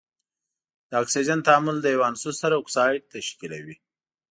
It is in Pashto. د اکسیجن تعامل له یو عنصر سره اکساید تشکیلیږي.